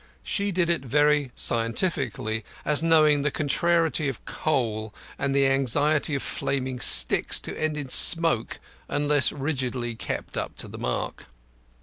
She did it very scientifically, as knowing the contrariety of coal and the anxiety of flaming sticks to end in smoke unless rigidly kept up to the mark.